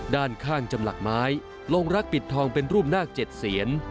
ด้านข้างจำหลักไม้ลงรักปิดทองเป็นรูปนาค๗เสียน